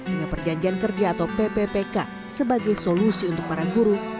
hingga perjanjian kerja atau pppk sebagai solusi untuk para guru